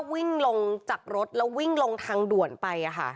วิ่งลงจากรถแล้ววิ่งลงทางด่วนไป